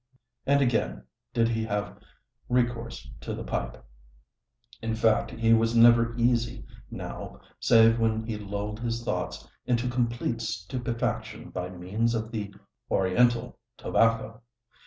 And again did he have recourse to the pipe: in fact he was never easy now save when he lulled his thoughts into complete stupefaction by means of the oriental tobacco.